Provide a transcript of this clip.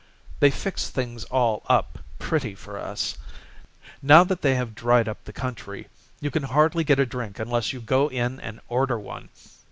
They fixed things all up pretty for us; Now that they have dried up the country, You can hardly get a drink unless you go in and order one.